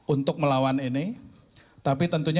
untuk melawan ini tapi tentunya